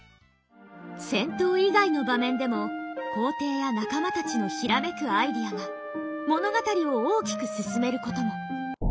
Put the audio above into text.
戦闘以外の場面でも皇帝や仲間たちの閃くアイデアが物語を大きく進めることも。